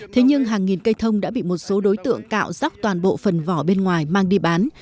thế nhưng hàng nghìn cây thông đã bị một số đối tượng cạo róc toàn bộ phần vỏ bên ngoài mang đi bán